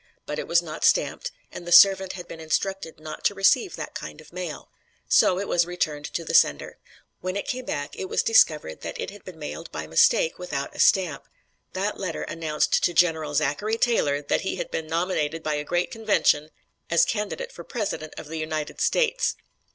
But it was not stamped, and the servant had been instructed not to receive that kind of mail. So it was returned to the sender. When it came back it was discovered that it had been mailed by mistake without a stamp. That letter announced to General Zachary Taylor that he had been nominated by a great convention as candidate for President of the United States!